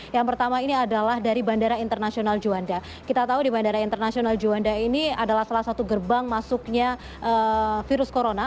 yang pertama ini adalah dari bandara internasional juanda kita tahu di bandara internasional juanda ini adalah salah satu gerbang masuknya virus corona